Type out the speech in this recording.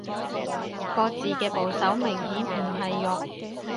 個字嘅部首明顯唔係肉